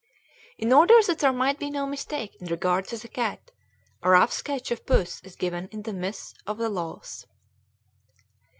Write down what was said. In order that there might be no mistake in regard to the cat, a rough sketch of Puss is given in the Mss. of the laws.